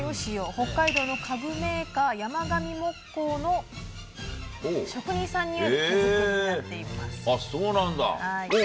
北海道の家具メーカー山上木工の職人さんによる手作りになっています。